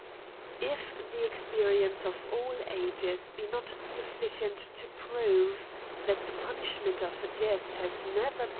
If the experience of all ages be not sufficient to prove, that the punishment of death has never CRIMES AND PUNISHMENTS.